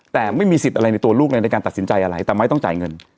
แต่ไม่มีสิทธิ์อะไรในตัวลูกเลยในการตัดสินใจอะไรแต่ไม่ต้องจ่ายเงิน